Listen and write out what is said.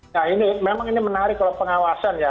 nah ini memang ini menarik kalau pengawasan ya